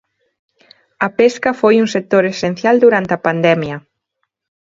A pesca foi un sector esencial durante a pandemia.